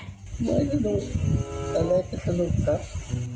ไม่สนุกตอนแรกสนุกครับ